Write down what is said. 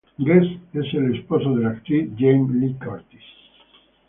Guest es el esposo de la actriz Jamie Lee Curtis.